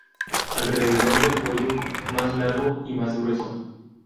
Alrededor del cuello, más largo y más grueso.